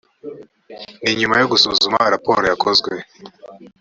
ni nyuma yo gusuzuma raporo yakozwe